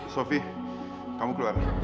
sofi kamu keluar